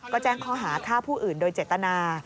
ก็แจ้งข้อหาฆ่าผู้อื่นโดยเจตนา